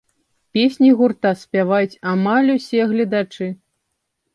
Песні гурта спяваюць амаль усе гледачы.